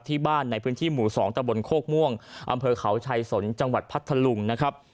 ที่บ้านในพื้นที่หมู่๒ตะบนโคกม่วงอำเภอเขาชัยสนจังหวัดพัทธลุงนะครับ